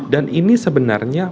dan ini sebenarnya